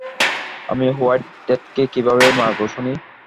আমি হোয়াইট ডেথকে কীভাবে মারবো শুনি?